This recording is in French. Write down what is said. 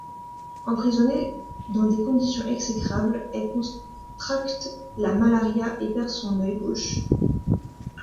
Emprisonnée dans des conditions exécrables, elle contracte la malaria et perd son œil gauche.